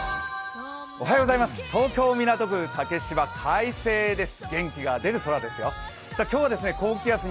東京・港区竹芝、快晴です。